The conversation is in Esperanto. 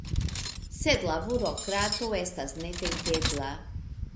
Sed la burokrataro estas nevenkebla.